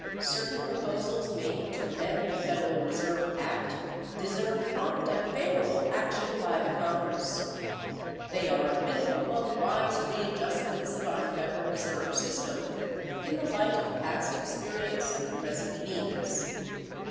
Certain proposals made to amend the Federal Reserve Act deserve prompt and favorable action by the Congress. They are a minimum of wise readjustments of our Federal Reserve System in the light of past experience and present needs.